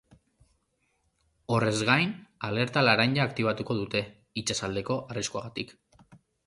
Horrez gain, alerta laranja aktibatuko dute, itsasaldeko arriskuagatik.